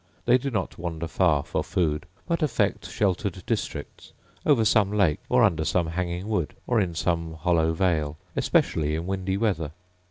They do not wander far for food, but affect sheltered districts, over some lake, or under some hanging wood, or in some hollow vale, especially in windy weather.